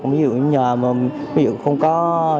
ví dụ nhờ mà không có